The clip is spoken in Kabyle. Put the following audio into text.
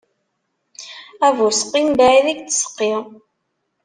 Abuseqqi mebɛid i yettseqqi.